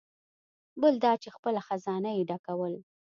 بل دا چې خپله خزانه یې ډکول.